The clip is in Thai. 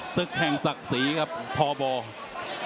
ศึกแห่งศักดิ์ศรีครับทบ